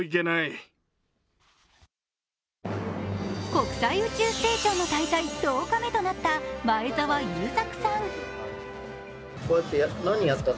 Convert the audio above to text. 国際宇宙ステーションの滞在１０日目となった前澤友作さん。